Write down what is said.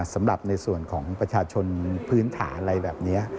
สำหรับในส่วนของประชาชนพื้นฐานอะไรแบบนี้